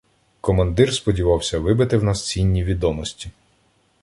Командир сподівався вибити в нас цінні відомості.